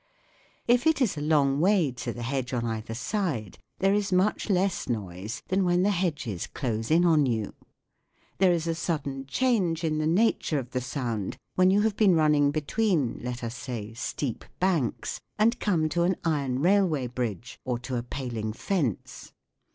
If it i> a long way to the hedge on either side, there is much less noise than when the hedges close in on you. There is a sudden change in the nature of the sound when you have been running between, FIG. 8. A Row of Nails reflects feebly. 20 THE WORLD OF SOUND let us say, steep banks and come to an iron railway bridge, or to a paling fence.